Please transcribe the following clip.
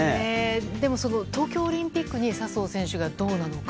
でも東京オリンピックに笹生選手がどうなのか。